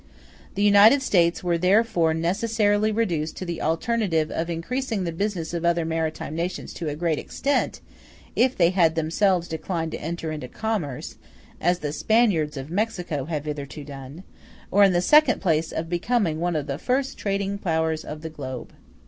The United States were therefore necessarily reduced to the alternative of increasing the business of other maritime nations to a great extent, if they had themselves declined to enter into commerce, as the Spaniards of Mexico have hitherto done; or, in the second place, of becoming one of the first trading powers of the globe.